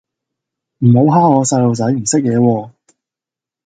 唔好蝦我細路仔唔識野喎